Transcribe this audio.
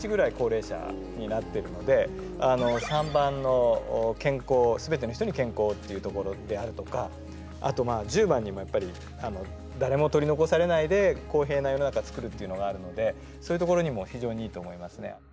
３番の「すべての人に健康」っていうところであるとかあとまあ１０番にもやっぱり誰も取り残されないで公平な世の中を作るっていうのがあるのでそういうところにも非常にいいと思いますね。